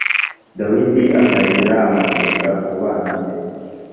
dawidi akagira amakenga ku bana be